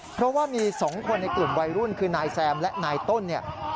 เพราะว่ามี๒คนในกลุ่มวัยรุ่นคือนายแซมและนายต้นเนี่ย